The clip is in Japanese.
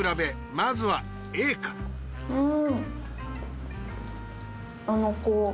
まずはＡからん。